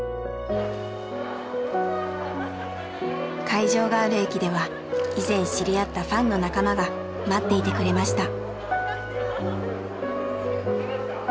会場がある駅では以前知り合ったファンの仲間が待っていてくれました。